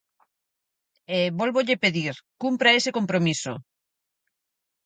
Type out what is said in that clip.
E, vólvolle pedir: cumpra ese compromiso.